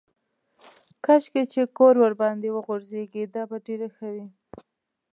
کاشکې چې کور ورباندې وغورځېږي دا به ډېره ښه وي.